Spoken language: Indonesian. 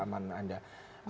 apa yang akan anda harapkan